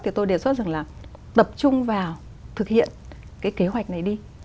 thì tôi đề xuất rằng là tập trung vào thực hiện cái kế hoạch này đi